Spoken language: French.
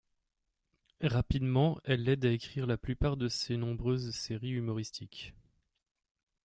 Rapidement, elle l'aide à écrire la plupart de ses nombreuses séries humoristiques.